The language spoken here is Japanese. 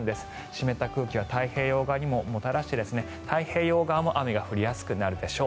湿った空気が太平洋側にももたらして太平洋側も雨が降りやすくなるでしょう。